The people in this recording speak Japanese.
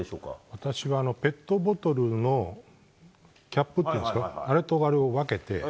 私はペットボトルのキャップっていうんですかあれを分けて。